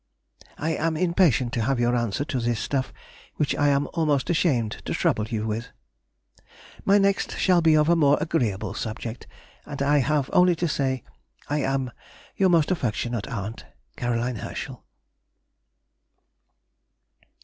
I am impatient to have your answer to this stuff, which I am almost ashamed to trouble you with. My next shall be of a more agreeable subject, and I have only to say, I am, Your most affectionate aunt, C. HERSCHEL.